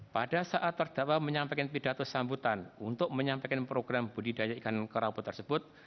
pada saat terdakwa menyampaikan pidato sambutan untuk menyampaikan program budidaya ikan kerapu tersebut